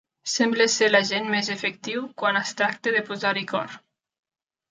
Sembla ser l'agent més efectiu quan es tracta de posar-hi cor.